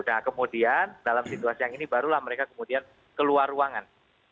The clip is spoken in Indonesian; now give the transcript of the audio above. nah kemudian dalam situasi yang ini barulah mereka kemudian keluar ruangan